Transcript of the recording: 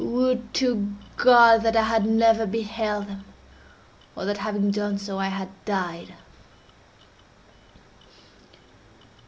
Would to God that I had never beheld them, or that, having done so, I had died!